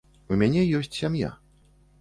У мяне ёсць сям'я.